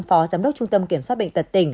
phó giám đốc trung tâm kiểm soát bệnh tật tỉnh